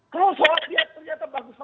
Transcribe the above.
kalau soal lihat ternyata bagus